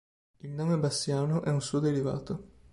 Il nome Bassiano è un suo derivato.